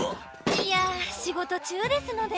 いや仕事中ですので。